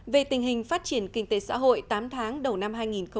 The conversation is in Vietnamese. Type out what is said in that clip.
về tình hình phát triển kinh tế xã hội tám tháng đầu năm hai nghìn một mươi sáu